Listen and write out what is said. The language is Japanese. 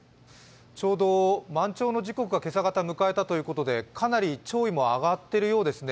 ちょうど満潮の時刻を今朝方迎えたということでかなり潮位も上がっているようですね。